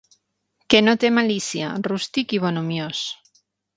Que no té malícia, rústic i bonhomiós.